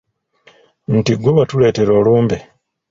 Nti ggwe watuleetera olumbe.